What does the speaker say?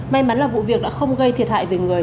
may mắn là vụ việc đã không gây thiệt hại về người